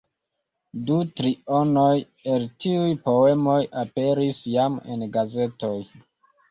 Du trionoj el tiuj poemoj aperis jam en gazetoj.